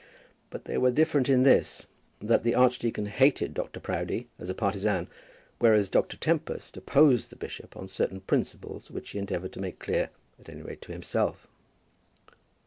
But they were different in this, that the archdeacon hated Dr. Proudie as a partisan, whereas Dr. Tempest opposed the bishop on certain principles which he endeavoured to make clear, at any rate to himself.